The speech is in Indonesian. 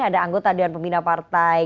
ada anggota dewan pembina partai